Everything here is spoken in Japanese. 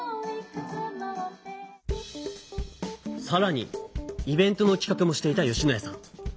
さらにイベントの企画もしていた吉野谷さん。